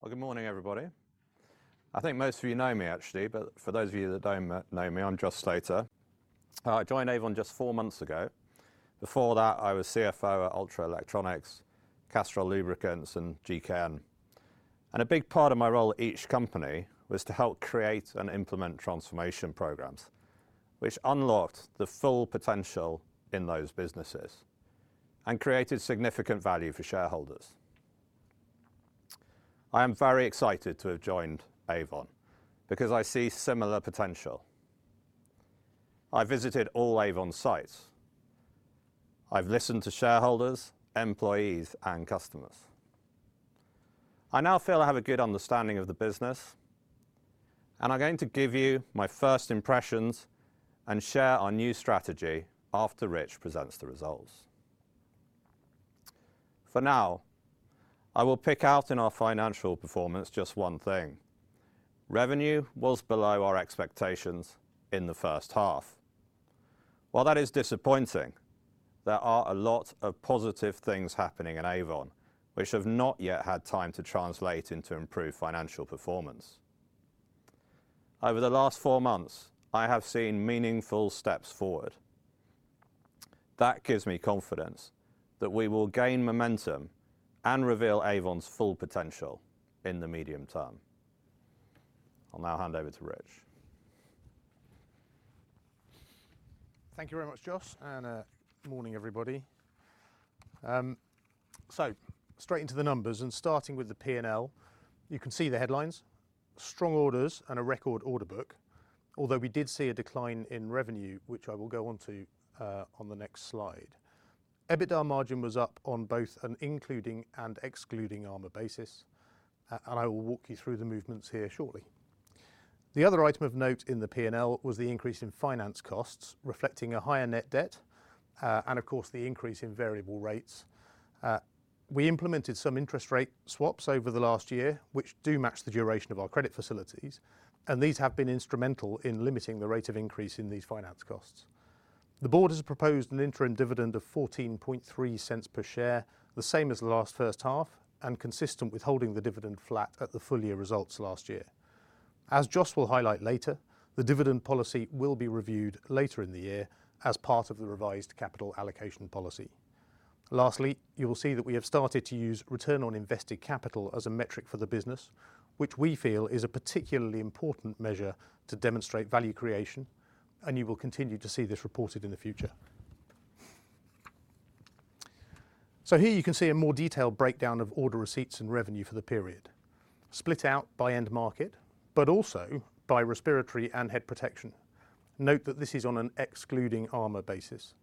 Well, good morning, everybody. I think most of you know me, actually, but for those of you that don't know me, I'm Jos Sclater. I joined Avon just four months ago. Before that, I was CFO at Ultra Electronics, Castrol Lubricants, and GKN. A big part of my role at each company was to help create and implement transformation programs which unlocked the full potential in those businesses and created significant value for shareholders. I am very excited to have joined Avon because I see similar potential. I visited all Avon sites. I've listened to shareholders, employees, and customers. I now feel I have a good understanding of the business, and I'm going to give you my first impressions and share our new strategy after Rich presents the results. For now, I will pick out in our financial performance just one thing. Revenue was below our expectations in the first half. That is disappointing, there are a lot of positive things happening in Avon which have not yet had time to translate into improved financial performance. Over the last four months, I have seen meaningful steps forward. That gives me confidence that we will gain momentum and reveal Avon's full potential in the medium term. I'll now hand over to Rich. Thank you very much, Joss. Morning, everybody. Straight into the numbers and starting with the P&L. You can see the headlines, strong orders and a record order book, although we did see a decline in revenue which I will go on to on the next slide. EBITDA margin was up on both an including and excluding Armor basis. I will walk you through the movements here shortly. The other item of note in the P&L was the increase in finance costs, reflecting a higher net debt, and of course, the increase in variable rates. We implemented some interest rate swaps over the last year, which do match the duration of our credit facilities, and these have been instrumental in limiting the rate of increase in these finance costs. The board has proposed an interim dividend of 0.143 per share, the same as the last first half and consistent with holding the dividend flat at the full year results last year. As Joss will highlight later, the dividend policy will be reviewed later in the year as part of the revised capital allocation policy. Lastly, you will see that we have started to use return on invested capital as a metric for the business, which we feel is a particularly important measure to demonstrate value creation, and you will continue to see this reported in the future. Here you can see a more detailed breakdown of order receipts and revenue for the period split out by end market, but also by respiratory and head protection. Note that this is on an excluding Armor basis.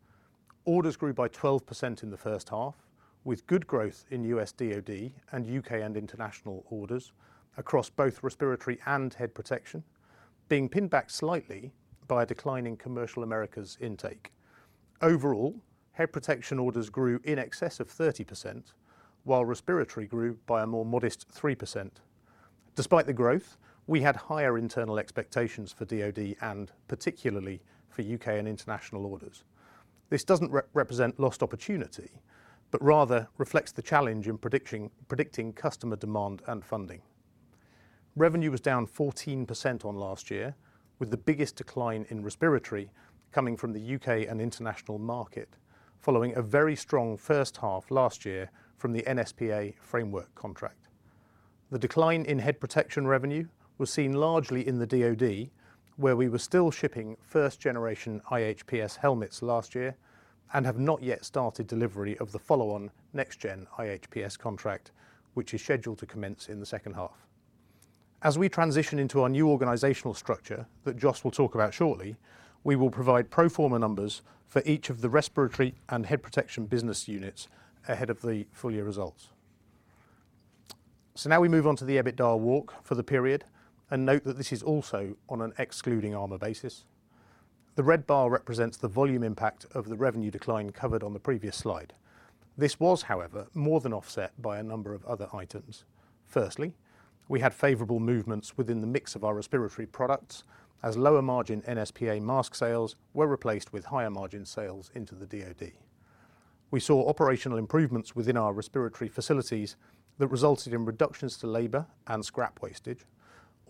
Orders grew by 12% in the first half, with good growth in U.S. DOD and U.K. and international orders across both respiratory and head protection, being pinned back slightly by a decline in commercial America's intake. Overall, head protection orders grew in excess of 30%, while respiratory grew by a more modest 3%. Despite the growth, we had higher internal expectations for DOD and particularly for U.K. and international orders. This doesn't represent lost opportunity, but rather reflects the challenge in predicting customer demand and funding. Revenue was down 14% on last year, with the biggest decline in respiratory coming from the U.K. and international market, following a very strong first half last year from the NSPA framework contract. The decline in head protection revenue was seen largely in the U.S. DOD, where we were still shipping first generation IHPS helmets last year and have not yet started delivery of the follow-on Next Generation IHPS contract, which is scheduled to commence in the second half. As we transition into our new organizational structure that Joss will talk about shortly, we will provide pro forma numbers for each of the respiratory and head protection business units ahead of the full year results. Now we move on to the EBITDA walk for the period and note that this is also on an excluding Armor basis. The red bar represents the volume impact of the revenue decline covered on the previous slide. This was, however, more than offset by a number of other items. We had favorable movements within the mix of our respiratory products as lower margin NSPA mask sales were replaced with higher margin sales into the DoD. We saw operational improvements within our respiratory facilities that resulted in reductions to labor and scrap wastage,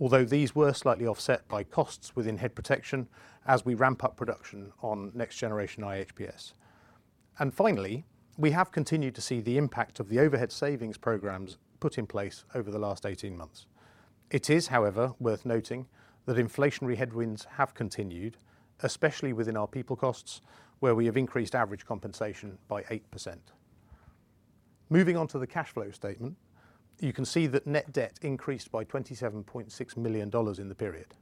although these were slightly offset by costs within head protection as we ramp up production on Next Generation IHPS. Finally, we have continued to see the impact of the overhead savings programs put in place over the last 18 months. It is, however, worth noting that inflationary headwinds have continued, especially within our people costs, where we have increased average compensation by 8%. Moving on to the cash flow statement, you can see that net debt increased by $27.6 million in the period.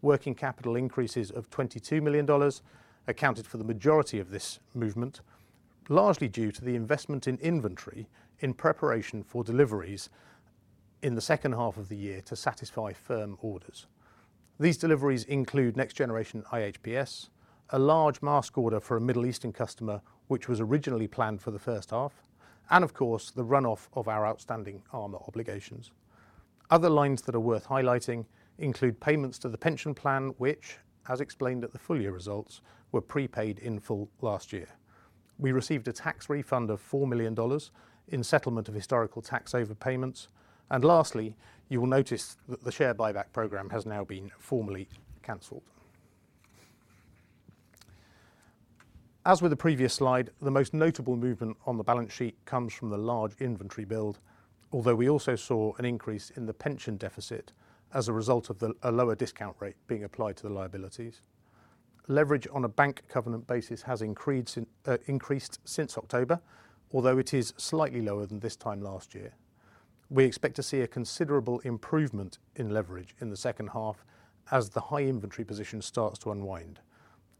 Working capital increases of $22 million accounted for the majority of this movement, largely due to the investment in inventory in preparation for deliveries in the second half of the year to satisfy firm orders. These deliveries include Next Generation IHPS, a large mask order for a Middle Eastern customer, which was originally planned for the first half, and of course, the runoff of our outstanding Armor obligations. Other lines that are worth highlighting include payments to the pension plan, which, as explained at the full year results, were prepaid in full last year. We received a tax refund of $4 million in settlement of historical tax overpayments. Lastly, you will notice that the share buyback program has now been formally canceled. As with the previous slide, the most notable movement on the balance sheet comes from the large inventory build. Although we also saw an increase in the pension deficit as a result of a lower discount rate being applied to the liabilities. Leverage on a bank covenant basis has increased since October, although it is slightly lower than this time last year. We expect to see a considerable improvement in leverage in the second half as the high inventory position starts to unwind.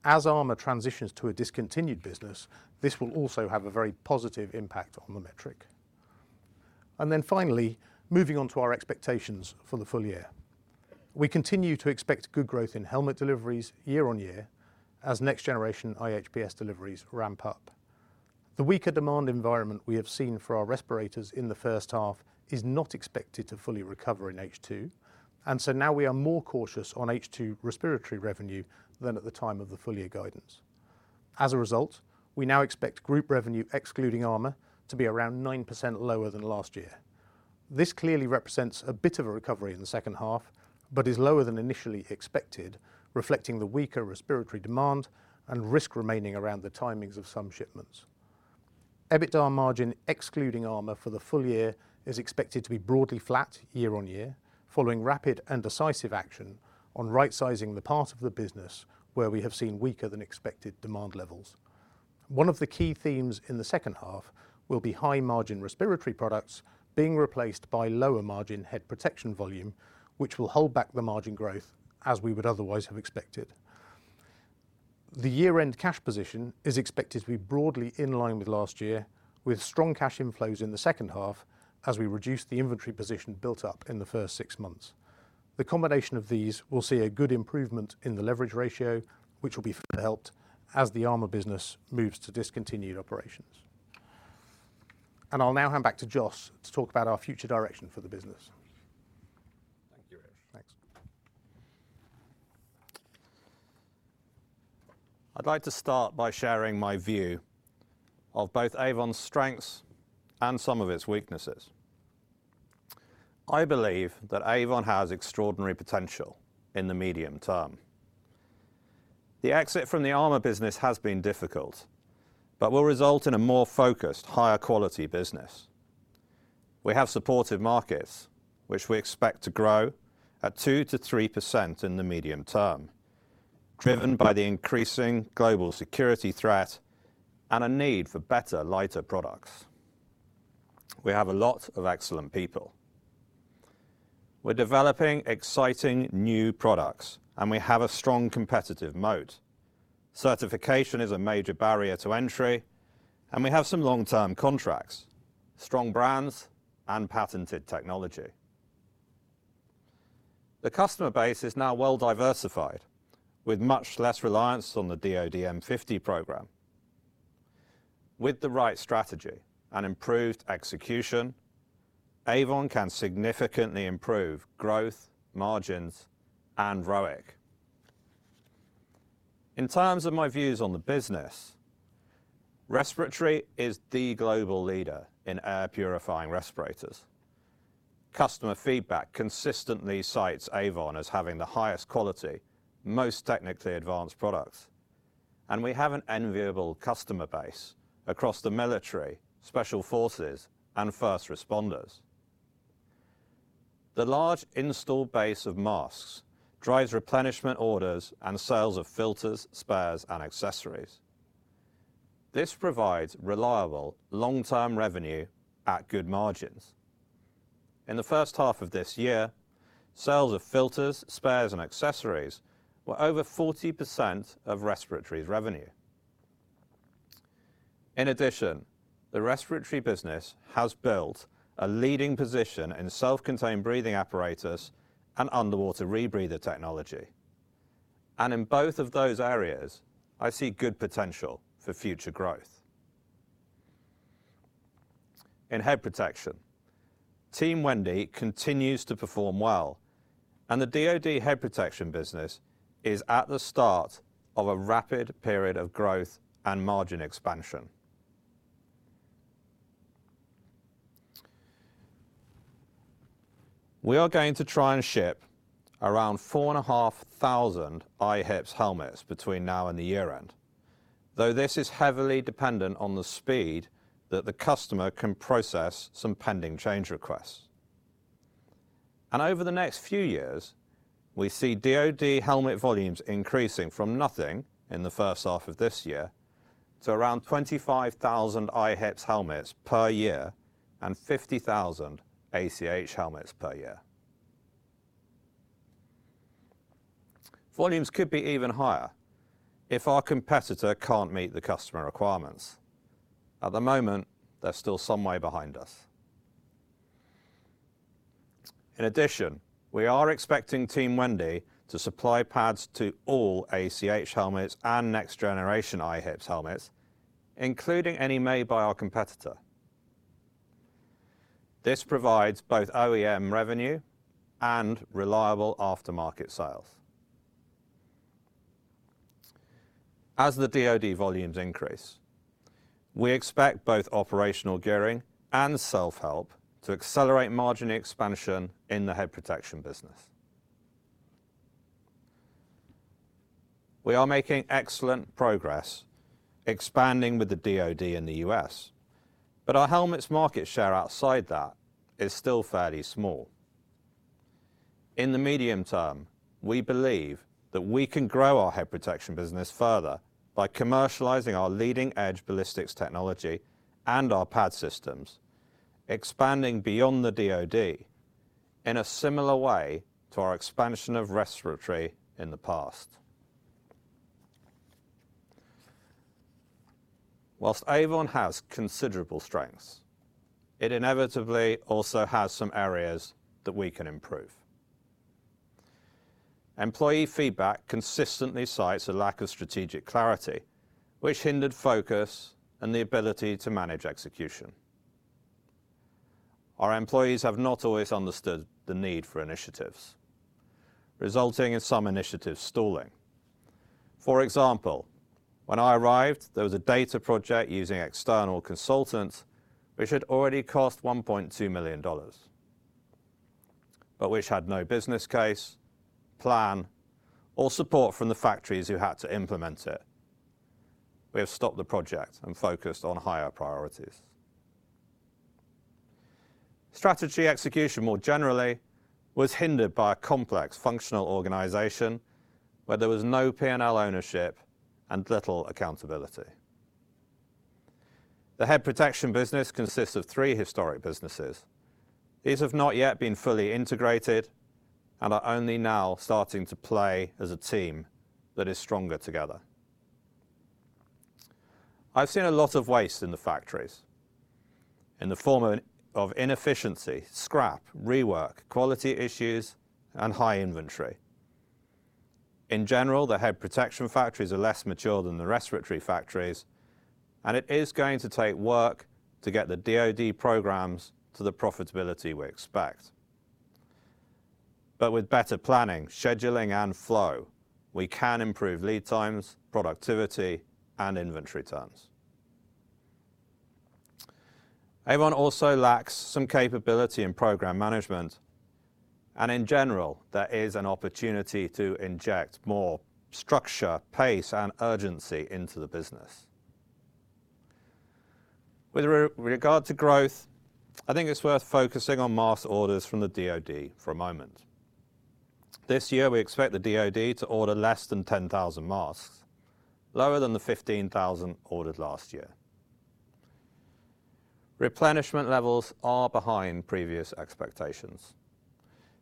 As Armor transitions to a discontinued business, this will also have a very positive impact on the metric. Finally, moving on to our expectations for the full year. We continue to expect good growth in helmet deliveries year-on-year as Next Generation IHPS deliveries ramp up. The weaker demand environment we have seen for our respirators in the first half is not expected to fully recover in H2. Now we are more cautious on H2 respiratory revenue than at the time of the full year guidance. As a result, we now expect group revenue excluding Armor to be around 9% lower than last year. This clearly represents a bit of a recovery in the second half. Is lower than initially expected, reflecting the weaker respiratory demand and risk remaining around the timings of some shipments. EBITDA margin excluding Armor for the full year is expected to be broadly flat year-over-year following rapid and decisive action on rightsizing the part of the business where we have seen weaker than expected demand levels. One of the key themes in the second half will be high margin respiratory products being replaced by lower margin head protection volume, which will hold back the margin growth as we would otherwise have expected. The year-end cash position is expected to be broadly in line with last year, with strong cash inflows in the second half as we reduce the inventory position built up in the first six months. The combination of these will see a good improvement in the leverage ratio, which will be further helped as the Armor business moves to discontinued operations. I'll now hand back to Jos to talk about our future direction for the business. Thank you, Rich. Thanks. I'd like to start by sharing my view of both Avon's strengths and some of its weaknesses. I believe that Avon has extraordinary potential in the medium term. The exit from the Armor business has been difficult, but will result in a more focused, higher quality business. We have supportive markets which we expect to grow at 2%-3% in the medium term, driven by the increasing global security threat and a need for better lighter products. We have a lot of excellent people. We're developing exciting new products and we have a strong competitive mode. Certification is a major barrier to entry, and we have some long-term contracts, strong brands and patented technology. The customer base is now well diversified with much less reliance on the U.S. DOD M50 program. With the right strategy and improved execution, Avon can significantly improve growth, margins and ROIC. In terms of my views on the business, Respiratory is the global leader in air purifying respirators. Customer feedback consistently cites Avon as having the highest quality, most technically advanced products, and we have an enviable customer base across the military, special forces and first responders. The large installed base of masks drives replenishment orders and sales of filters, spares and accessories. This provides reliable long-term revenue at good margins. In the first half of this year, sales of filters, spares and accessories were over 40% of Respiratory's revenue. In addition, the Respiratory business has built a leading position in self-contained breathing apparatus and underwater rebreather technology. In both of those areas, I see good potential for future growth. In Head Protection, Team Wendy continues to perform well and the DOD Head Protection business is at the start of a rapid period of growth and margin expansion. We are going to try and ship around 4,500 IHPS helmets between now and the year-end, though this is heavily dependent on the speed that the customer can process some pending change requests. Over the next few years, we see DoD helmet volumes increasing from nothing in the first half of this year to around 25,000 IHPS helmets per year and 50,000 ACH helmets per year. Volumes could be even higher if our competitor can't meet the customer requirements. At the moment, they're still some way behind us. In addition, we are expecting Team Wendy to supply pads to all ACH helmets and Next Generation IHPS helmets, including any made by our competitor. This provides both OEM revenue and reliable aftermarket sales. As the DoD volumes increase, we expect both operational gearing and self-help to accelerate margin expansion in the head protection business. We are making excellent progress expanding with the DoD in the U.S. Our helmets market share outside that is still fairly small. In the medium term, we believe that we can grow our head protection business further by commercializing our leading-edge ballistics technology and our pad systems, expanding beyond the DoD in a similar way to our expansion of respiratory in the past. Avon has considerable strengths, it inevitably also has some areas that we can improve. Employee feedback consistently cites a lack of strategic clarity, which hindered focus and the ability to manage execution. Our employees have not always understood the need for initiatives, resulting in some initiatives stalling. For example, when I arrived, there was a data project using external consultants, which had already cost $1.2 million, but which had no business case, plan or support from the factories who had to implement it. We have stopped the project and focused on higher priorities. Strategy execution more generally was hindered by a complex functional organization where there was no P&L ownership and little accountability. The head protection business consists of three historic businesses. These have not yet been fully integrated and are only now starting to play as a team that is stronger together. I've seen a lot of waste in the factories in the form of inefficiency, scrap, rework, quality issues and high inventory. In general, the head protection factories are less mature than the respiratory factories, and it is going to take work to get the DoD programs to the profitability we expect. With better planning, scheduling and flow, we can improve lead times, productivity and inventory turns. Avon also lacks some capability in program management, and in general, there is an opportunity to inject more structure, pace and urgency into the business. With regard to growth, I think it's worth focusing on mask orders from the DoD for a moment. This year we expect the DoD to order less than 10,000 masks, lower than the 15,000 ordered last year. Replenishment levels are behind previous expectations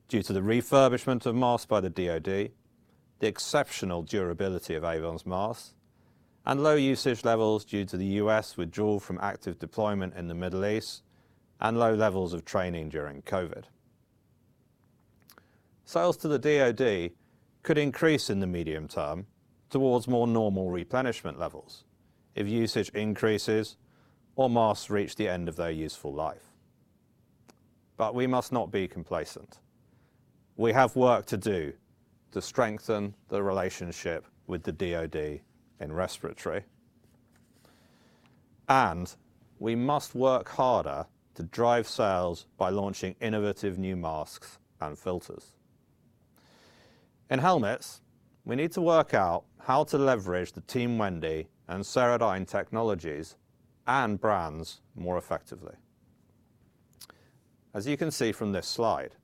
due to the refurbishment of masks by the DoD, the exceptional durability of Avon's masks, and low usage levels due to the U.S. withdrawal from active deployment in the Middle East and low levels of training during COVID. Sales to the DoD could increase in the medium term towards more normal replenishment levels if usage increases or masks reach the end of their useful life. We must not be complacent. We have work to do to strengthen the relationship with the DoD in respiratory. We must work harder to drive sales by launching innovative new masks and filters. In helmets, we need to work out how to leverage the Team Wendy and Ceradyne technologies and brands more effectively. As you can see from this slide,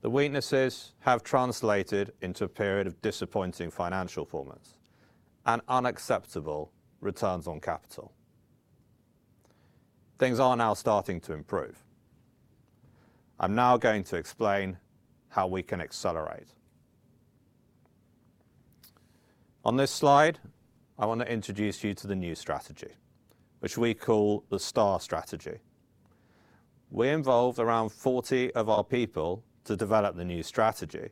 the weaknesses have translated into a period of disappointing financial performance and unacceptable returns on capital. Things are now starting to improve. I'm now going to explain how we can accelerate. On this slide, I want to introduce you to the new strategy, which we call the STAR strategy. We involved around 40 of our people to develop the new strategy,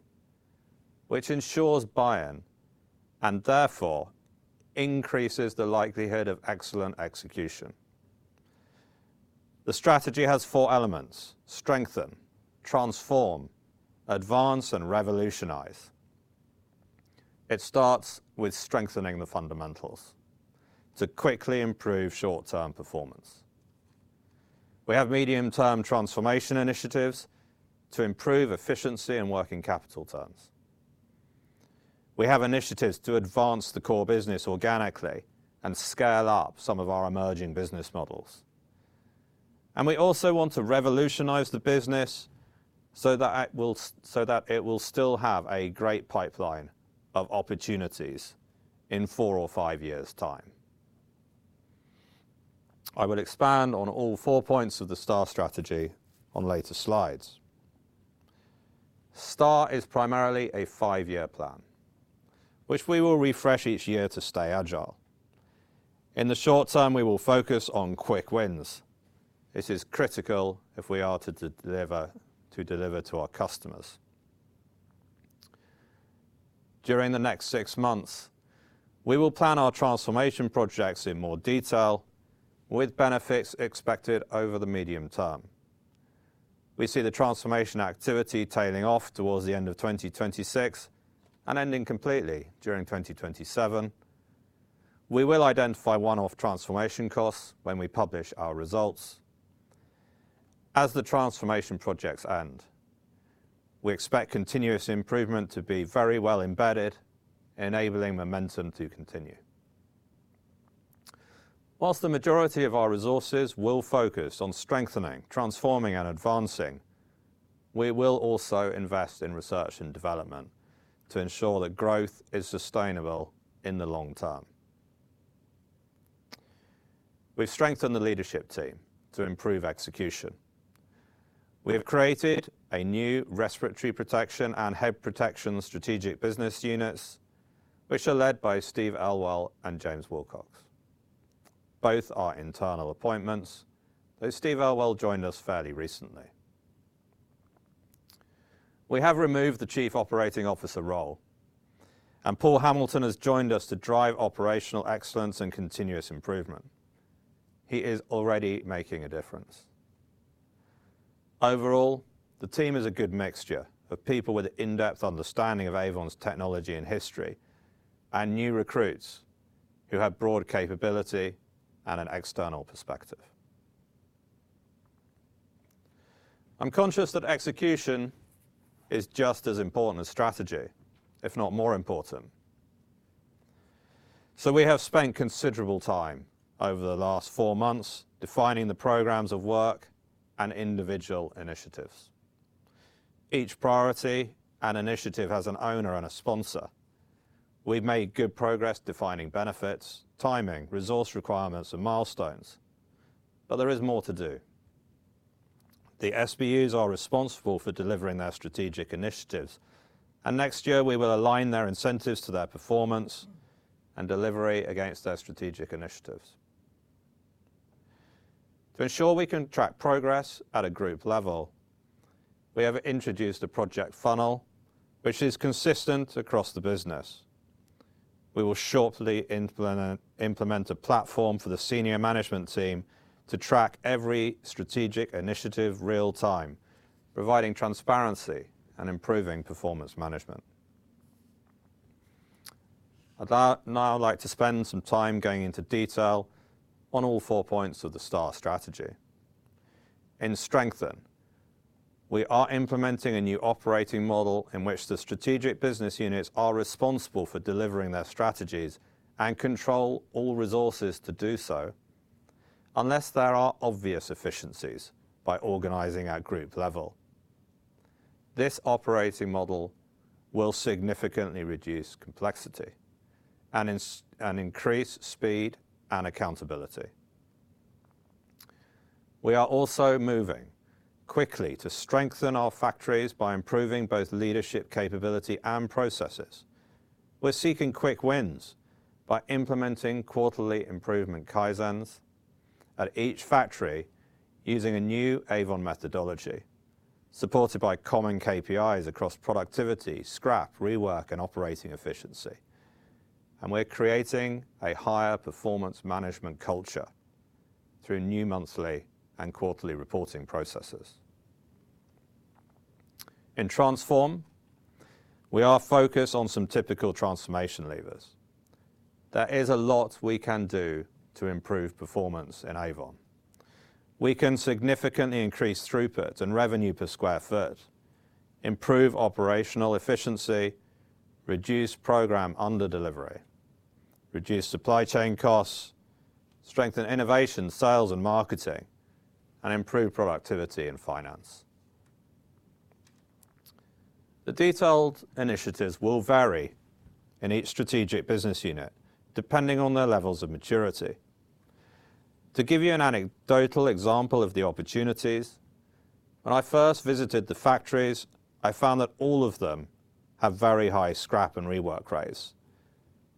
which ensures buy-in and therefore increases the likelihood of excellent execution. The strategy has four elements: strengthen, transform, advance, and revolutionize. It starts with strengthening the fundamentals to quickly improve short-term performance. We have medium-term transformation initiatives to improve efficiency and working capital terms. We have initiatives to advance the core business organically and scale up some of our emerging business models. We also want to revolutionize the business so that it will still have a great pipeline of opportunities in four or five years’ time. I will expand on all 4 points of the STAR strategy on later slides. STAR is primarily a five-year plan, which we will refresh each year to stay agile. In the short term, we will focus on quick wins. This is critical if we are to deliver to our customers. During the next six months, we will plan our transformation projects in more detail with benefits expected over the medium term. We see the transformation activity tailing off towards the end of 2026 and ending completely during 2027. We will identify one-off transformation costs when we publish our results. As the transformation projects end, we expect continuous improvement to be very well embedded, enabling momentum to continue. Whilst the majority of our resources will focus on strengthening, transforming and advancing, we will also invest in R&D to ensure that growth is sustainable in the long term. We've strengthened the leadership team to improve execution. We have created a new respiratory protection and head protection strategic business units, which are led by Steve Elwell and James Wilcox. Both are internal appointments, though Steve Elwell joined us fairly recently. We have removed the chief operating officer role, and Paul Hamilton has joined us to drive operational excellence and continuous improvement. He is already making a difference. Overall, the team is a good mixture of people with in-depth understanding of Avon's technology and history and new recruits who have broad capability and an external perspective. I'm conscious that execution is just as important as strategy, if not more important. We have spent considerable time over the last four months defining the programs of work and individual initiatives. Each priority and initiative has an owner and a sponsor. We've made good progress defining benefits, timing, resource requirements and milestones, but there is more to do. The SBUs are responsible for delivering their strategic initiatives. Next year we will align their incentives to their performance and delivery against their strategic initiatives. To ensure we can track progress at a group level, we have introduced a project funnel which is consistent across the business. We will shortly implement a platform for the senior management team to track every strategic initiative real time, providing transparency and improving performance management. Now I'd like to spend some time going into detail on all four points of the STAR strategy. In strengthen, we are implementing a new operating model in which the strategic business units are responsible for delivering their strategies and control all resources to do so, unless there are obvious efficiencies by organizing at group level. This operating model will significantly reduce complexity and increase speed and accountability. We are also moving quickly to strengthen our factories by improving both leadership capability and processes. We're seeking quick wins by implementing quarterly improvement Kaizens at each factory using a new Avon methodology supported by common KPIs across productivity, scrap, rework and operating efficiency. We're creating a higher performance management culture through new monthly and quarterly reporting processes. In transform, we are focused on some typical transformation levers. There is a lot we can do to improve performance in Avon. We can significantly increase throughput and revenue per square foot, improve operational efficiency, reduce program under delivery, reduce supply chain costs, strengthen innovation, sales and marketing, and improve productivity in finance. The detailed initiatives will vary in each strategic business unit, depending on their levels of maturity. To give you an anecdotal example of the opportunities, when I first visited the factories, I found that all of them have very high scrap and rework rates.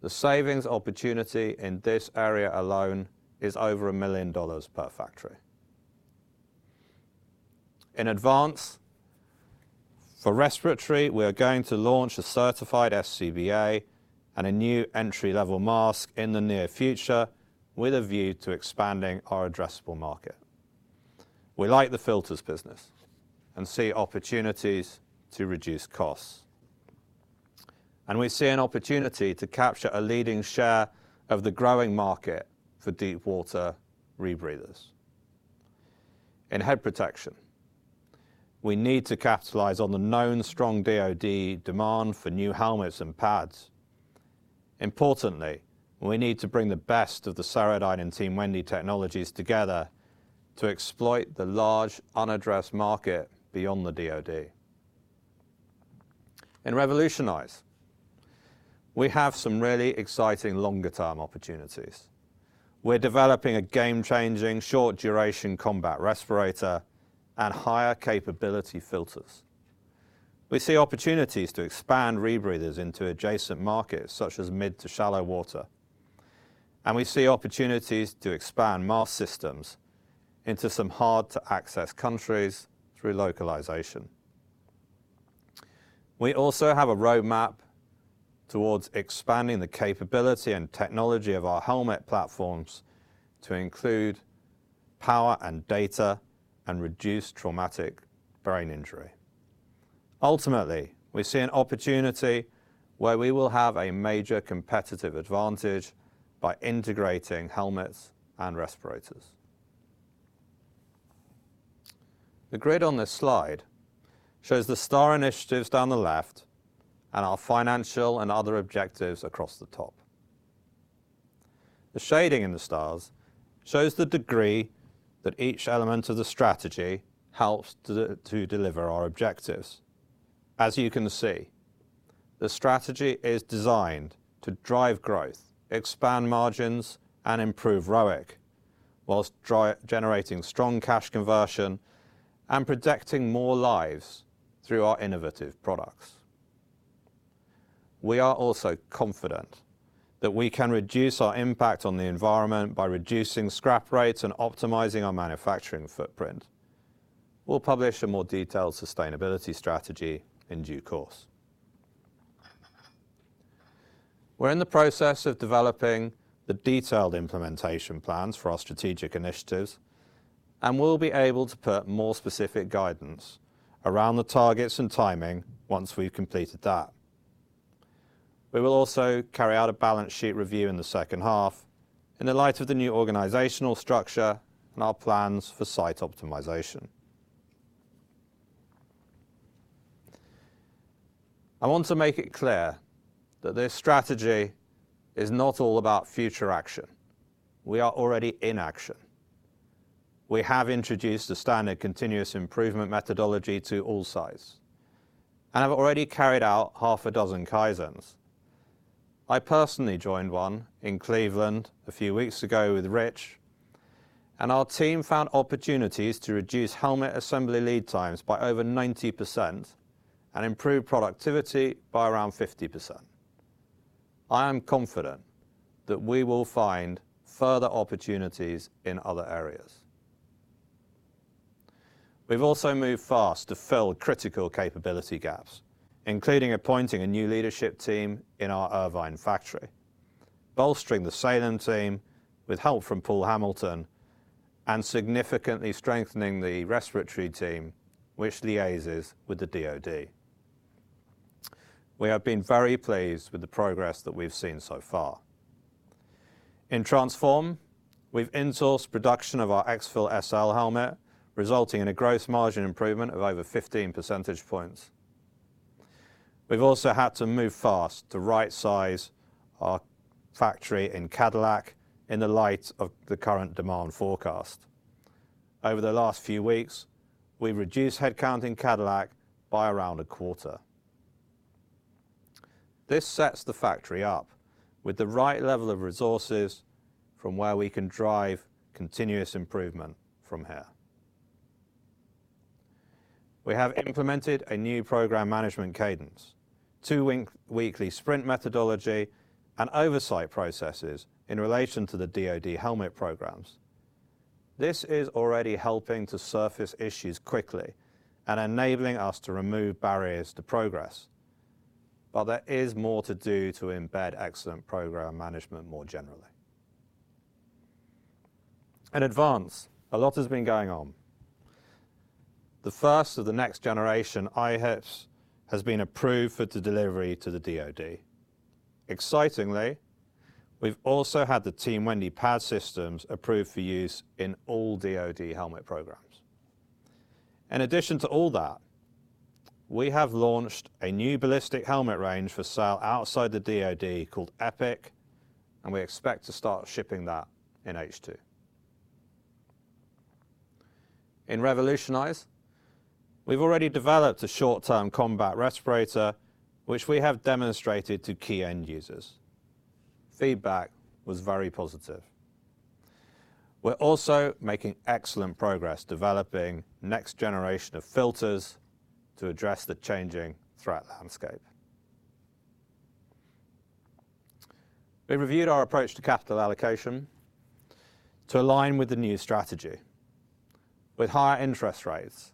The savings opportunity in this area alone is over $1 million per factory. In advance, for respiratory, we are going to launch a certified SCBA and a new entry-level mask in the near future with a view to expanding our addressable market. We like the filters business and see opportunities to reduce costs. We see an opportunity to capture a leading share of the growing market for deep water rebreathers. In head protection, we need to capitalize on the known strong DOD demand for new helmets and pads. Importantly, we need to bring the best of the Ceradyne and Team Wendy technologies together to exploit the large unaddressed market beyond the DOD. In revolutionize, we have some really exciting longer term opportunities. We're developing a game changing short duration combat respirator and higher capability filters. We see opportunities to expand rebreathers into adjacent markets such as mid to shallow water. We see opportunities to expand mask systems into some hard-to-access countries through localization. We also have a roadmap towards expanding the capability and technology of our helmet platforms to include power and data and reduce traumatic brain injury. Ultimately, we see an opportunity where we will have a major competitive advantage by integrating helmets and respirators. The grid on this slide shows the STAR initiatives down the left and our financial and other objectives across the top. The shading in the STARs shows the degree that each element of the strategy helps to deliver our objectives. As you can see, the strategy is designed to drive growth, expand margins, and improve ROIC whilst generating strong cash conversion and protecting more lives through our innovative products. We are also confident that we can reduce our impact on the environment by reducing scrap rates and optimizing our manufacturing footprint. We'll publish a more detailed sustainability strategy in due course. We're in the process of developing the detailed implementation plans for our strategic initiatives, and we'll be able to put more specific guidance around the targets and timing once we've completed that. We will also carry out a balance sheet review in the second half in the light of the new organizational structure and our plans for site optimization. I want to make it clear that this strategy is not all about future action. We are already in action. We have introduced a standard continuous improvement methodology to all sites and have already carried out half a dozen Kaizens. I personally joined one in Cleveland a few weeks ago with Rich, our team found opportunities to reduce helmet assembly lead times by over 90% and improve productivity by around 50%. I am confident that we will find further opportunities in other areas. We've also moved fast to fill critical capability gaps, including appointing a new leadership team in our Irvine factory, bolstering the Salem team with help from Paul Hamilton, and significantly strengthening the respiratory team which liaises with the DoD. We have been very pleased with the progress that we've seen so far. In Transform, we've insourced production of our EXFIL SL Helmet, resulting in a gross margin improvement of over 15 percentage points. We've also had to move fast to right-size our factory in Cadillac in the light of the current demand forecast. Over the last few weeks, we've reduced headcount in Cadillac by around a quarter. This sets the factory up with the right level of resources from where we can drive continuous improvement from here. We have implemented a new program management cadence, two-weekly sprint methodology, and oversight processes in relation to the DoD helmet programs. This is already helping to surface issues quickly and enabling us to remove barriers to progress, but there is more to do to embed excellent program management more generally. In Advance, a lot has been going on. The first of the Next Generation IHPS has been approved for the delivery to the DoD. Excitingly, we've also had the Team Wendy PAD systems approved for use in all DoD helmet programs. In addition to all that, we have launched a new ballistic helmet range for sale outside the DOD called EPIC, and we expect to start shipping that in H2. In Revolutionize, we've already developed a short-term combat respirator, which we have demonstrated to key end users. Feedback was very positive. We're also making excellent progress developing next generation of filters to address the changing threat landscape. We reviewed our approach to capital allocation to align with the new strategy. With higher interest rates,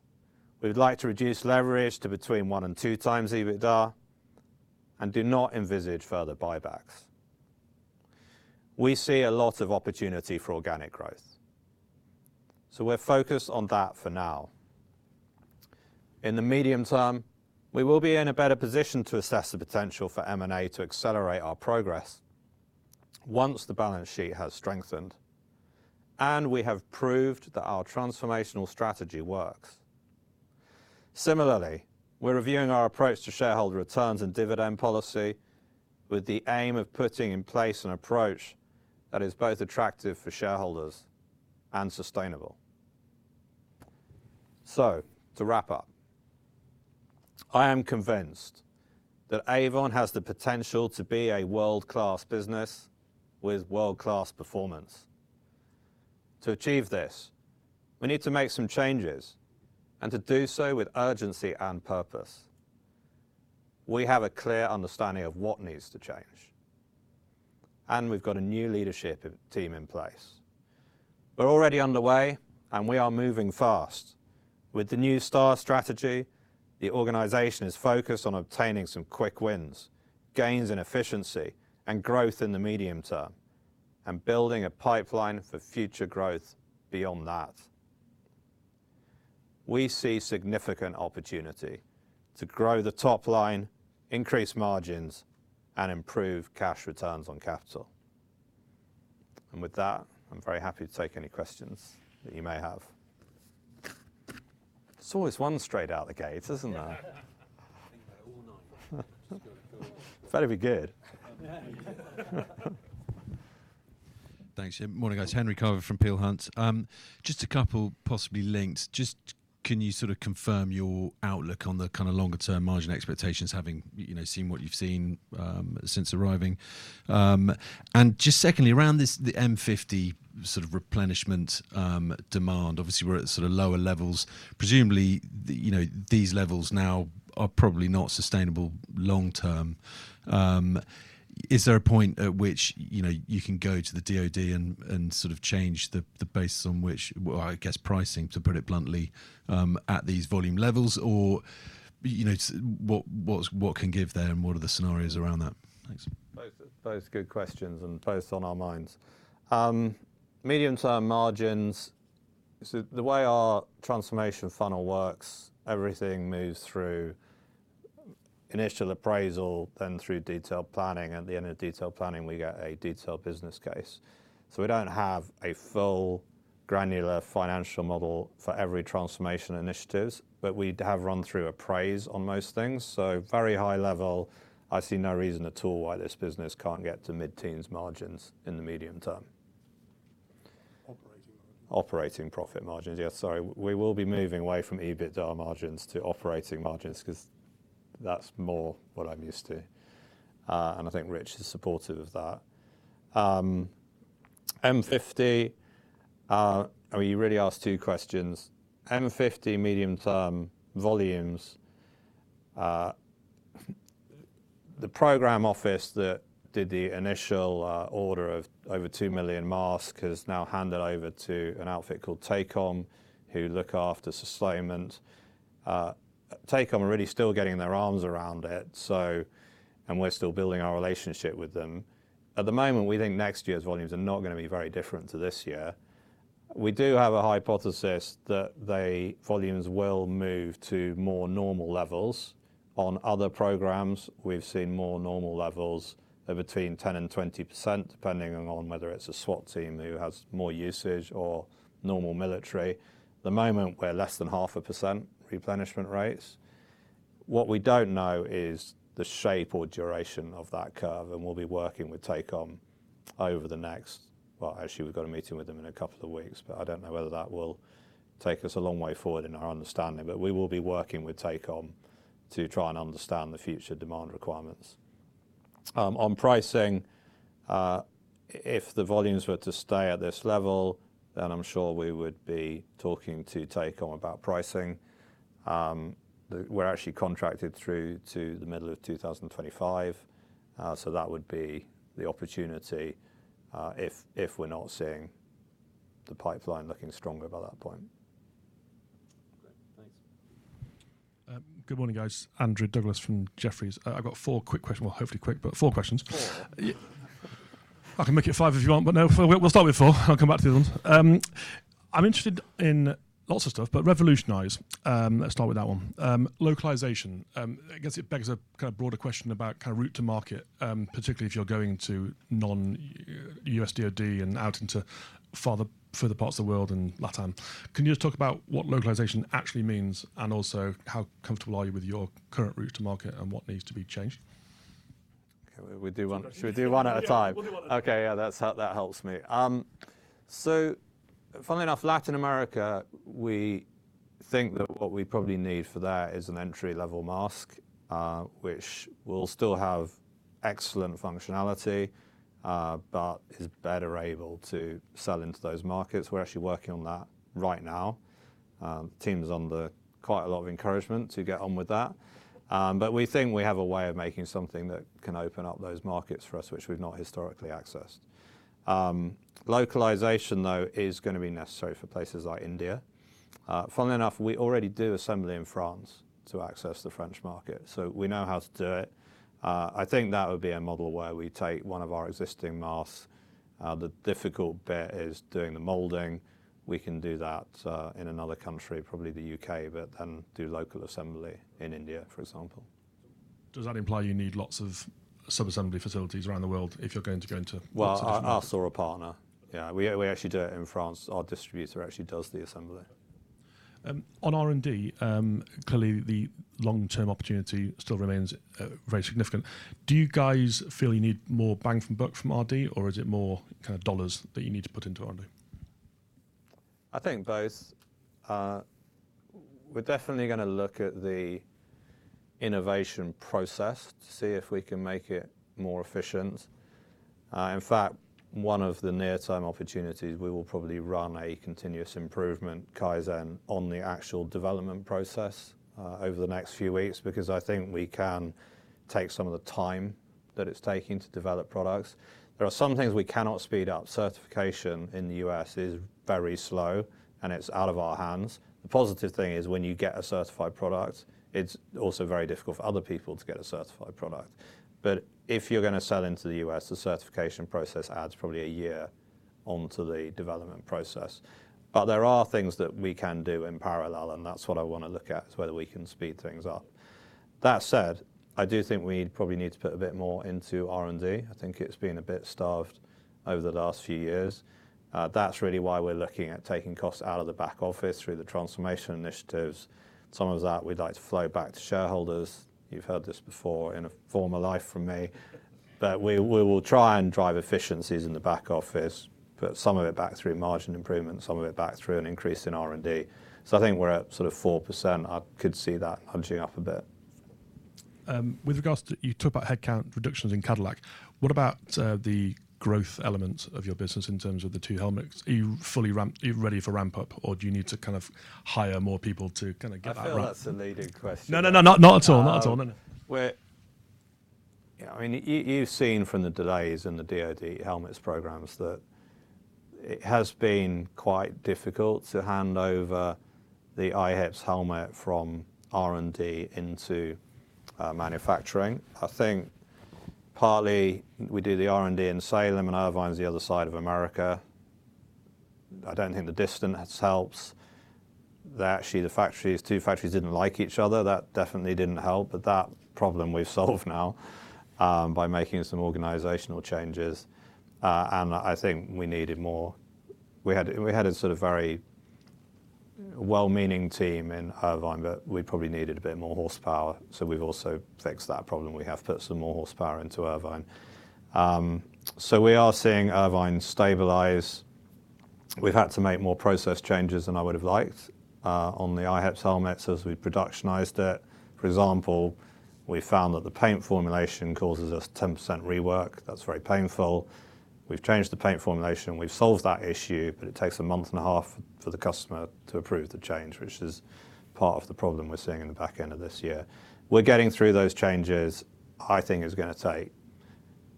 we would like to reduce leverage to between one and two times EBITDA and do not envisage further buybacks. We see a lot of opportunity for organic growth, so we're focused on that for now. In the medium term, we will be in a better position to assess the potential for M&A to accelerate our progress once the balance sheet has strengthened and we have proved that our transformational strategy works. Similarly, we're reviewing our approach to shareholder returns and dividend policy with the aim of putting in place an approach that is both attractive for shareholders and sustainable. To wrap up, I am convinced that Avon has the potential to be a world-class business with world-class performance. To achieve this, we need to make some changes and to do so with urgency and purpose. We have a clear understanding of what needs to change, and we've got a new leadership team in place. We're already underway, and we are moving fast. With the new STAR strategy, the organization is focused on obtaining some quick wins, gains in efficiency and growth in the medium term, and building a pipeline for future growth beyond that. We see significant opportunity to grow the top line, increase margins, and improve cash returns on capital. With that, I'm very happy to take any questions that you may have. There's always one straight out of the gate, isn't there? Better be good. Thanks. Yeah. Morning, guys. Henry Carver from Peel Hunt. Just a couple possibly linked. Just can you sort of confirm your outlook on the kind of longer term margin expectations, having, you know, seen what you've seen since arriving? And just secondly, around this, the M50 sort of replenishment demand. Obviously we're at sort of lower levels. Presumably, you know, these levels now are probably not sustainable long term. Is there a point at which, you know, you can go to the DoD and sort of change the basis on which, well, I guess pricing, to put it bluntly, at these volume levels? Or, what's, what can give there and what are the scenarios around that? Thanks. Both good questions, both on our minds. Medium-term margins. The way our transformation funnel works, everything moves through initial appraisal, then through detailed planning. At the end of detailed planning, we get a detailed business case. We don't have a full granular financial model for every transformation initiatives, but we have run through appraise on most things. Very high level, I see no reason at all why this business can't get to mid-teens margins in the medium-term. Operating margins. Operating profit margins, yeah. Sorry. We will be moving away from EBITDA margins to operating margins 'cause that's more what I'm used to. I think Rich is supportive of that. M50, I mean, you really asked two questions. M50 medium term volumes, the program office that did the initial order of over 2 million masks has now handed over to an outfit called TACOM, who look after sustainment. TACOM are really still getting their arms around it. We're still building our relationship with them. At the moment, we think next year's volumes are not gonna be very different to this year. We do have a hypothesis that the volumes will move to more normal levels. On other programs, we've seen more normal levels of between 10% and 20%, depending on whether it's a SWAT team who has more usage or normal military. At the moment we're less than half a percent replenishment rates. What we don't know is the shape or duration of that curve. We'll be working with TACOM over the next... Well, actually, we've got a meeting with them in a couple of weeks, I don't know whether that will take us a long way forward in our understanding. We will be working with TACOM to try and understand the future demand requirements. On pricing, if the volumes were to stay at this level, I'm sure we would be talking to TACOM about pricing. We're actually contracted through to the middle of 2025. That would be the opportunity, if we're not seeing the pipeline looking stronger by that point. Great. Thanks. Good morning, guys. Andrew Douglas from Jefferies. I've got four quick question. Well, hopefully quick, but four questions. Four? Yeah. I can make it five if you want, but no, we'll start with four and I'll come back to the other ones. I'm interested in lots of stuff, but Revolutionize. Let's start with that one. Localization. I guess it begs a kind of broader question about kind of route to market, particularly if you're going to non-U.S. DOD and out into farther, further parts of the world and LATAM. Can you just talk about what localization actually means and also how comfortable are you with your current route to market and what needs to be changed? Okay. We do. Sorry. Should we do one at a time? Yeah. We'll do one at a time. Okay. Yeah. That helps me. Funnily enough, Latin America, we think that what we probably need for that is an entry level mask, which will still have excellent functionality, but is better able to sell into those markets. We're actually working on that right now. Team is under quite a lot of encouragement to get on with that. We think we have a way of making something that can open up those markets for us, which we've not historically accessed. Localization, though, is gonna be necessary for places like India. Funnily enough, we already do assembly in France to access the French market, we know how to do it. I think that would be a model where we take one of our existing masks. The difficult bit is doing the molding. We can do that, in another country, probably the U.K., but then do local assembly in India, for example. Does that imply you need lots of sub-assembly facilities around the world if you're going to go into- Well. lots of different markets? Our sort of partner. Yeah, we actually do it in France. Our distributor actually does the assembly. On R&D, clearly the long-term opportunity still remains very significant. Do you guys feel you need more bang for buck from R&D or is it more kind of $ that you need to put into R&D? I think both. We're definitely gonna look at the innovation process to see if we can make it more efficient. In fact, one of the near-term opportunities, we will probably run a continuous improvement Kaizen on the actual development process over the next few weeks because I think we can take some of the time that it's taking to develop products. There are some things we cannot speed up. Certification in the U.S. is very slow, and it's out of our hands. The positive thing is when you get a certified product, it's also very difficult for other people to get a certified product. If you're gonna sell into the U.S., the certification process adds probably a year onto the development process. There are things that we can do in parallel, and that's what I wanna look at, is whether we can speed things up. I do think we probably need to put a bit more into R&D. I think it's been a bit starved over the last few years. That's really why we're looking at taking costs out of the back office through the transformation initiatives. Some of that we'd like to flow back to shareholders. You've heard this before in a former life from me. We will try and drive efficiencies in the back office, put some of it back through margin improvement, some of it back through an increase in R&D. I think we're at sort of 4%. I could see that nudging up a bit. You talked about headcount reductions in Cadillac. What about the growth elements of your business in terms of the two helmets? Are you fully ramped? Are you ready for ramp-up, or do you need to kind of hire more people to kind of get that ramp? I feel that's a leading question. No, no, not at all. Not at all. No, no. Yeah, I mean, you've seen from the delays in the U.S. DOD helmets programs that it has been quite difficult to hand over the IHPS helmet from R&D into manufacturing. I think partly we do the R&D in Salem, and Irvine's the other side of America. I don't think the distance helps. That actually the factories, two factories didn't like each other. That definitely didn't help. That problem we've solved now by making some organizational changes. I think we needed more. We had a sort of very well-meaning team in Irvine, but we probably needed a bit more horsepower, so we've also fixed that problem. We have put some more horsepower into Irvine. We are seeing Irvine stabilize. We've had to make more process changes than I would have liked on the IHPS helmets as we productionized it. For example, we found that the paint formulation causes us 10% rework. That's very painful. We've changed the paint formulation. We've solved that issue, but it takes a month and a half for the customer to approve the change, which is part of the problem we're seeing in the back end of this year. We're getting through those changes. I think it's gonna take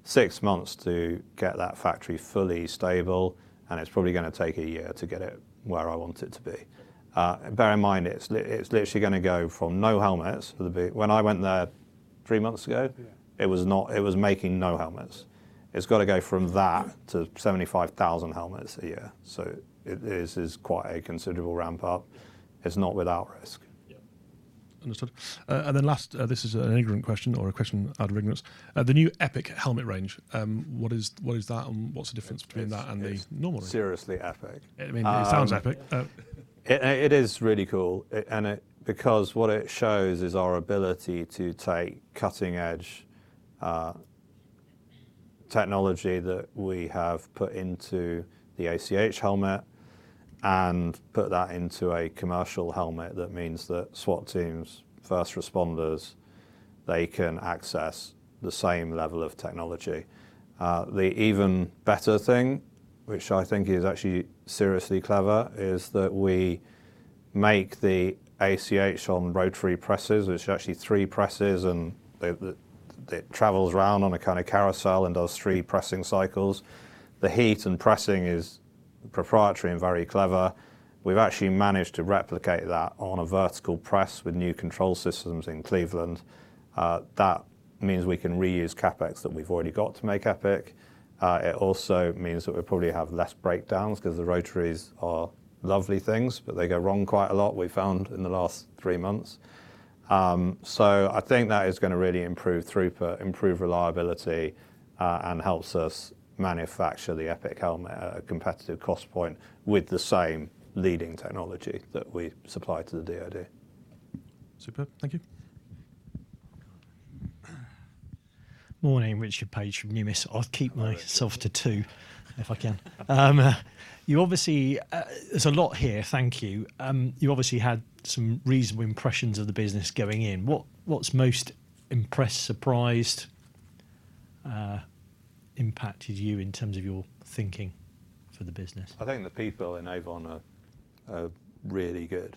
six months to get that factory fully stable, and it's probably gonna take one year to get it where I want it to be. Bear in mind, it's literally gonna go from no helmets. When I went there three months ago- Yeah. It was making no helmets. It's gotta go from that to 75,000 helmets a year. It is quite a considerable ramp-up. It's not without risk. Yeah. Understood. Last, this is an ignorant question or a question out of ignorance. The new EPIC helmet range, what is that, and what's the difference between that and the normal range? It's seriously EPIC. I mean, it sounds epic. It is really cool. Because what it shows is our ability to take cutting-edge technology that we have put into the ACH helmet and put that into a commercial helmet. That means that SWAT teams, first responders, they can access the same level of technology. The even better thing, which I think is actually seriously clever, is that we make the ACH on rotary presses. There's actually three presses, and they travels round on a kind of carousel and does three pressing cycles. The heat and pressing is proprietary and very clever. We've actually managed to replicate that on a vertical press with new control systems in Cleveland. That means we can reuse CapEx that we've already got to make EPIC. It also means that we probably have less breakdowns 'cause the rotaries are lovely things, but they go wrong quite a lot, we found in the last three months. I think that is gonna really improve throughput, improve reliability, and helps us manufacture the EPIC helmet at a competitive cost point with the same leading technology that we supply to the DOD. Superb. Thank you. Morning. Richard Page from Numis. Hi, Richard. I'll keep myself to two if I can. you obviously... there's a lot here. Thank you. you obviously had some reasonable impressions of the business going in. What, what's most impressed, surprised, impacted you in terms of your thinking for the business? I think the people in Avon are really good.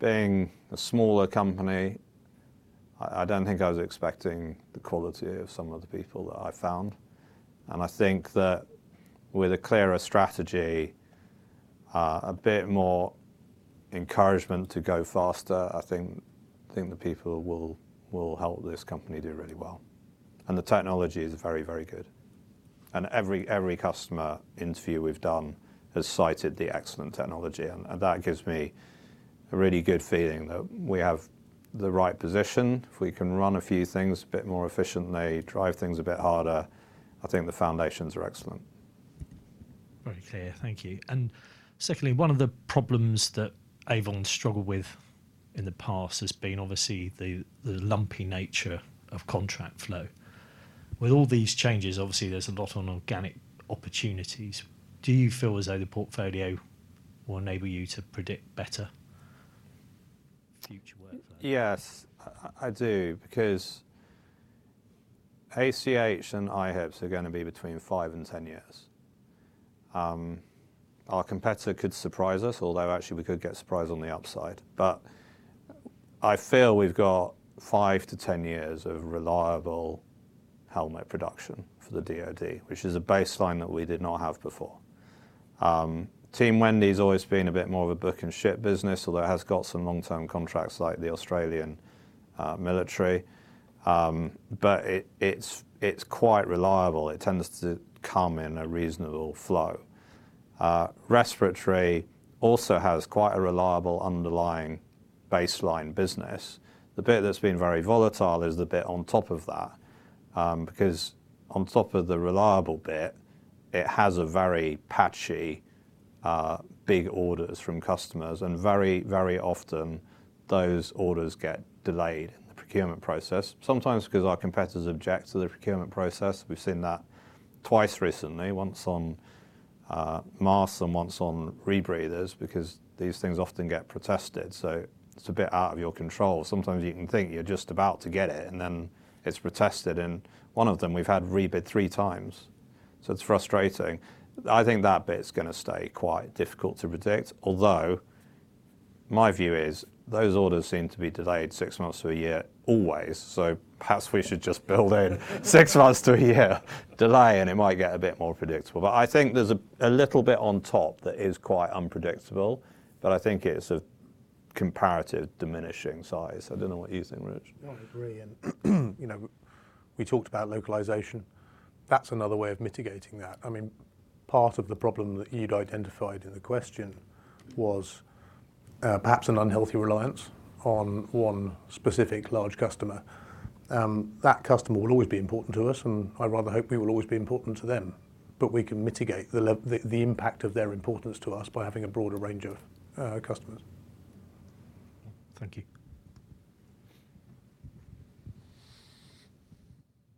Being a smaller company, I don't think I was expecting the quality of some of the people that I found. I think that with a clearer strategy, a bit more encouragement to go faster, I think the people will help this company do really well. The technology is very, very good. Every customer interview we've done has cited the excellent technology, and that gives me a really good feeling that we have the right position. If we can run a few things a bit more efficiently, drive things a bit harder, I think the foundations are excellent. Very clear. Thank you. Secondly, one of the problems that Avon struggled with in the past has been obviously the lumpy nature of contract flow. With all these changes, obviously, there's a lot on organic opportunities. Do you feel as though the portfolio will enable you to predict better? Future workflow. Yes, I do. ACH and IHPS are gonna be between five and 10 years. Our competitor could surprise us, although actually we could get surprised on the upside. I feel we've got five to 10 years of reliable helmet production for the DoD, which is a baseline that we did not have before. Team Wendy's always been a bit more of a book and ship business, although it has got some long-term contracts like the Australian military. It's quite reliable. It tends to come in a reasonable flow. Respiratory also has quite a reliable underlying baseline business. The bit that's been very volatile is the bit on top of that. Because on top of the reliable bit, it has a very patchy, big orders from customers, and very, very often, those orders get delayed in the procurement process. Sometimes because our competitors object to the procurement process. We've seen that twice recently. Once on masks and once on rebreathers, because these things often get protested, so it's a bit out of your control. Sometimes you can think you're just about to get it, and then it's protested. One of them, we've had rebid three times, so it's frustrating. I think that bit's gonna stay quite difficult to predict. My view is those orders seem to be delayed six months to a year always, so perhaps we should just build in six months to a year delay, and it might get a bit more predictable. I think there's a little bit on top that is quite unpredictable, but I think it's a comparative diminishing size. I don't know what you think, Rich. No, I agree. You know, we talked about localization. That's another way of mitigating that. I mean, part of the problem that you'd identified in the question was perhaps an unhealthy reliance on one specific large customer. That customer will always be important to us, and I rather hope we will always be important to them. We can mitigate the impact of their importance to us by having a broader range of customers. Thank you.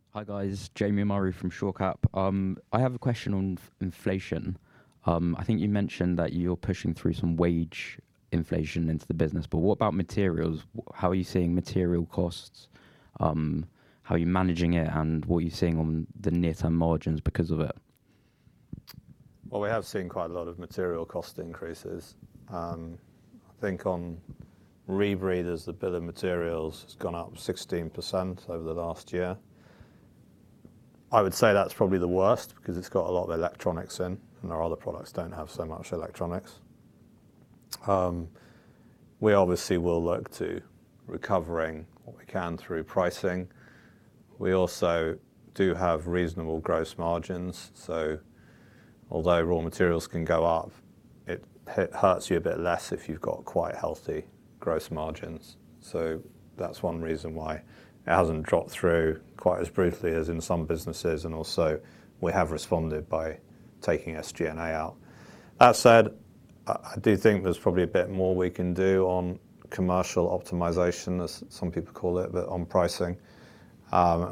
Hi, guys. Jamie Murray from Shore Capital. I have a question on inflation. I think you mentioned that you're pushing through some wage inflation into the business, but what about materials? How are you seeing material costs? How are you managing it, and what are you seeing on the near-term margins because of it? Well, we have seen quite a lot of material cost increases. I think on rebreathers, the bill of materials has gone up 16% over the last year. I would say that's probably the worst because it's got a lot of electronics in, and our other products don't have so much electronics. We obviously will look to recovering what we can through pricing. We also do have reasonable gross margins, although raw materials can go up, it hurts you a bit less if you've got quite healthy gross margins. That's one reason why it hasn't dropped through quite as brutally as in some businesses. Also we have responded by taking SG&A out. That said, I do think there's probably a bit more we can do on commercial optimization, as some people call it, but on pricing.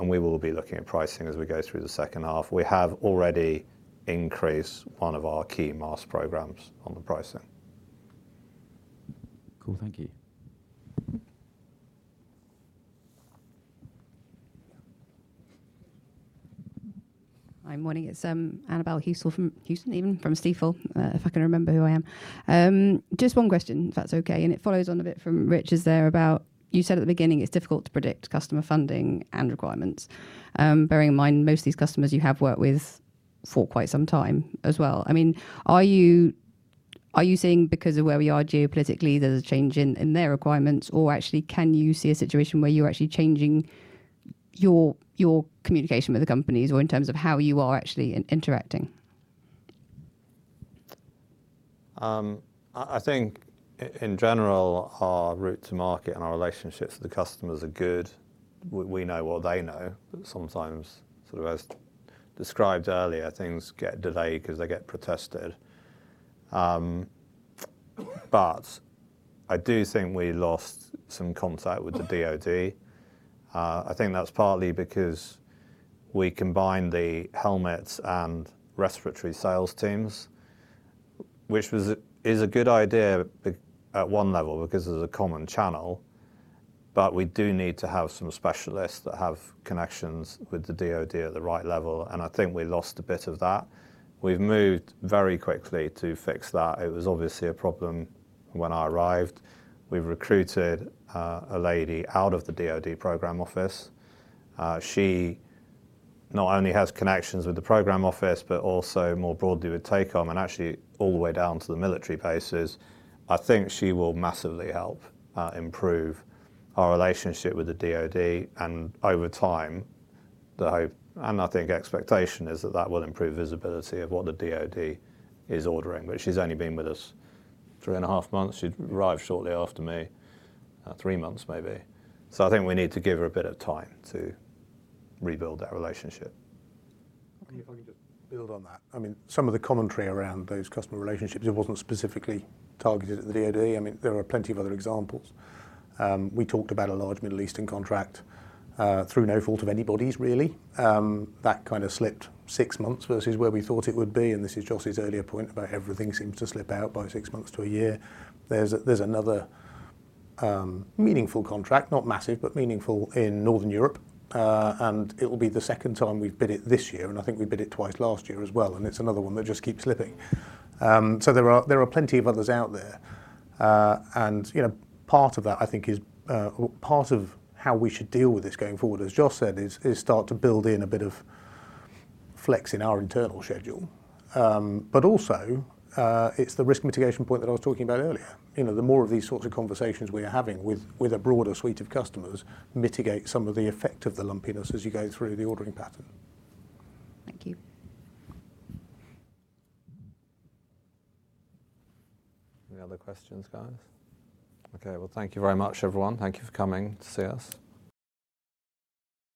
We will be looking at pricing as we go through the second half. We have already increased one of our key mask programs on the pricing. Cool. Thank you. Hi. Morning. It's Annabel Hewson from Stifel, if I can remember who I am. Just one question, if that's okay, and it follows on a bit from Rich's there about you said at the beginning it's difficult to predict customer funding and requirements, bearing in mind most of these customers you have worked with for quite some time as well. I mean, are you seeing because of where we are geopolitically, there's a change in their requirements? Or actually can you see a situation where you're actually changing your communication with the companies or in terms of how you are actually interacting? I think in general, our route to market and our relationships with the customers are good. We know what they know. Sometimes, sort of, as described earlier, things get delayed because they get protested. I do think we lost some contact with the DoD. I think that's partly because we combined the helmets and respiratory sales teams, which is a good idea at one level because there's a common channel. We do need to have some specialists that have connections with the DoD at the right level, and I think we lost a bit of that. We've moved very quickly to fix that. It was obviously a problem when I arrived. We've recruited a lady out of the DoD program office. She not only has connections with the program office but also more broadly with TACOM and actually all the way down to the military bases. I think she will massively help improve our relationship with the DoD, and over time, the hope and I think expectation is that that will improve visibility of what the DoD is ordering. She's only been with us three and a half months. She arrived shortly after me. Three months, maybe. I think we need to give her a bit of time to rebuild that relationship. If I can just build on that. I mean, some of the commentary around those customer relationships, it wasn't specifically targeted at the DOD. I mean, there are plenty of other examples. We talked about a large Middle Eastern contract, through no fault of anybody's really, that kind of slipped six months versus where we thought it would be, and this is Joss's earlier point about everything seems to slip out by six months to one year. There's another meaningful contract, not massive, but meaningful in Northern Europe. It will be the second time we've bid it this year, and I think we bid it two times last year as well, and it's another one that just keeps slipping. There are plenty of others out there. You know, part of that, I think, is part of how we should deal with this going forward, as Joss said, is start to build in a bit of flex in our internal schedule. Also, it's the risk mitigation point that I was talking about earlier. You know, the more of these sorts of conversations we are having with a broader suite of customers mitigate some of the effect of the lumpiness as you go through the ordering pattern. Thank you. Any other questions, guys? Okay. Well, thank you very much, everyone. Thank you for coming to see us.